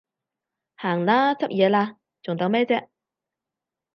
行啦，執嘢喇，仲等咩啫？